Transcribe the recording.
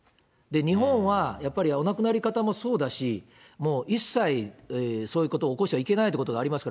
日本は、やっぱりお亡くなり方もそうだし、もう一切そういうことを起こしてはいけないということがあります